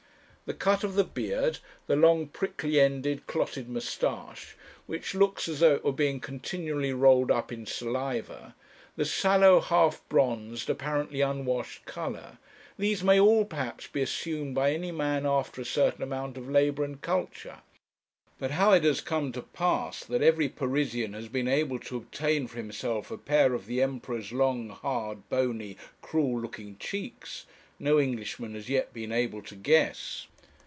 The cut of the beard, the long prickly ended, clotted moustache, which looks as though it were being continually rolled up in saliva, the sallow, half bronzed, apparently unwashed colour these may all, perhaps, be assumed by any man after a certain amount of labour and culture. But how it has come to pass that every Parisian has been able to obtain for himself a pair of the Emperor's long, hard, bony, cruel looking cheeks, no Englishman has yet been able to guess.